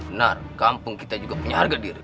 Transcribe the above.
benar kampung kita juga punya harga diri